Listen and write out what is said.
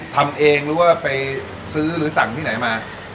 ทำเองหรือว่าไปซื้อหรือสั่งที่ไหนมา